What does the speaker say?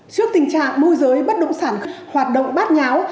trước tình trạng môi giới bất động sản hoạt động bát nháo